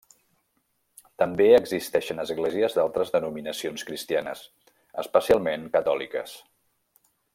També existeixen esglésies d'altres denominacions cristianes, especialment catòliques.